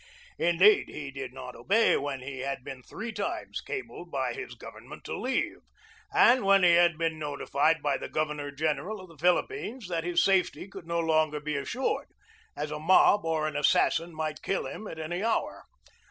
Indeed, he did not obey when he had been three times cabled by his government to leave, and when he had been noti fied by the Governor General of the Philippines that his safety could no longer be assured, as a mob or an assassin might kill him at any hour.